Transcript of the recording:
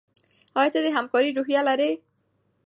ایا ته د همکارۍ روحیه لرې؟